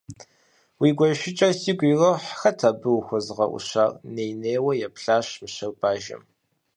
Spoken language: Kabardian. Уи гуэшыкӀэр сигу ирохь, хэт абы ухуэзыгъэӀущар? - ней-нейуэ еплъащ мыщэр бажэм.